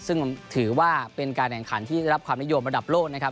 ซึ่งถือว่าเป็นการแข่งขันที่ได้รับความนิยมระดับโลกนะครับ